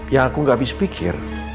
ya aku gak habis pikir